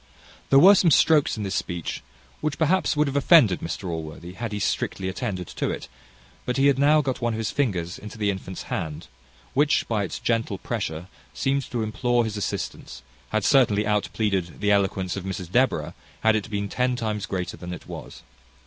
There were some strokes in this speech which perhaps would have offended Mr Allworthy, had he strictly attended to it; but he had now got one of his fingers into the infant's hand, which, by its gentle pressure, seeming to implore his assistance, had certainly out pleaded the eloquence of Mrs Deborah, had it been ten times greater than it was.